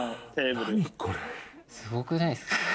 すごくないですか？